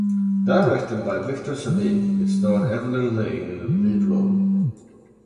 Directed by Victor Saville it starred Evelyn Laye in the lead role.